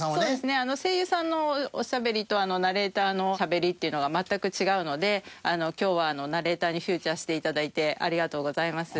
声優さんのおしゃべりとナレーターのしゃべりっていうのは全く違うので今日はナレーターにフィーチャーして頂いてありがとうございます。